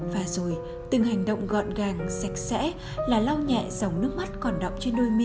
và rồi từng hành động gọn gàng sạch sẽ là lau nhẹ dòng nước mắt còn động trên đôi miy